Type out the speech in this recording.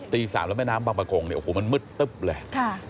๓แล้วแม่น้ำบางประกงเนี่ยโอ้โหมันมืดตึ๊บเลย